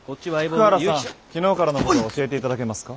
福原さん昨日からのことを教えていただけますか？